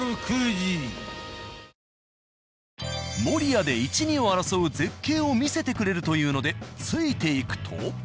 守谷で１２を争う絶景を見せてくれるというのでついていくと。